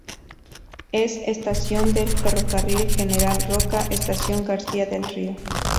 Es estación del Ferrocarril General Roca: Estación García del Río.